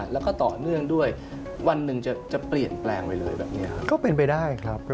แล้วก็ต่อเนื่องด้วยวันหนึ่งจะเปลี่ยนแปลงไปเลยแบบนี้